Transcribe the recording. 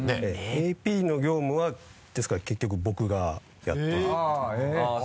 ＡＰの業務はですから結局僕がやってることに。